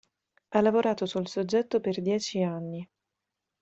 Ha lavorato sul soggetto per dieci anni.